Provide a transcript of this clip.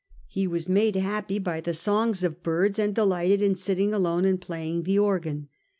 He was made happy by the songs of birds, and delighted in sitting alone and playing the organ.